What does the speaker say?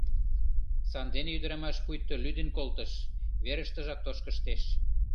Сандене ӱдырамаш пуйто лӱдын колтыш, верыштыжак тошкыштеш.